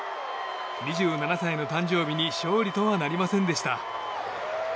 ２７歳の誕生日に勝利とはなりませんでした。